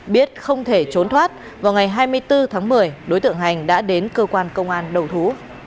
biết không thể trốn thoát vào ngày hai mươi bốn tháng một mươi đối tượng hành đã đến cơ quan công an đầu thú